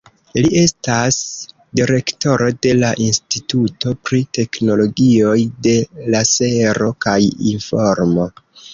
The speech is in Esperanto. Li estas direktoro de la Instituto pri Teknologioj de Lasero kaj Informo.